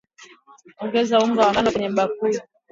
Ongeza unga wa ngano kwenye bakuli